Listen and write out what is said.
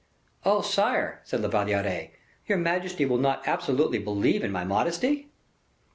"Oh, sire!" said La Valliere, "your majesty will not absolutely believe in my modesty?"